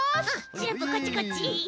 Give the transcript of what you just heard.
シナプーこっちこっち！